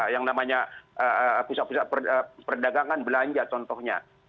yang namanya pusat pusat perdagangan belanja contohnya